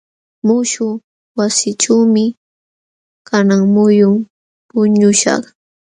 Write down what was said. Muśhuq wasiićhuumi kanan muyun puñuśhaq.